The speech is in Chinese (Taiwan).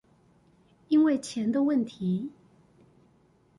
因為錢的問題